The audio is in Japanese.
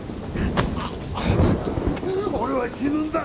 俺は死ぬんだ！